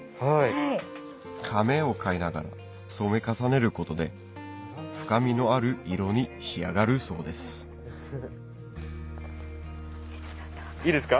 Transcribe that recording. かめを変えながら染め重ねることで深みのある色に仕上がるそうですいいですか？